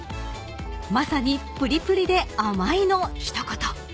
［まさにぷりぷりで甘いの一言］